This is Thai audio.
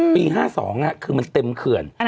ปี๕๒คือมันเต็มเขื่อน